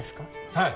はい！